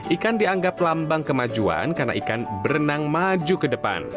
ikan dianggap lambang kemajuan karena ikan berenang maju ke depan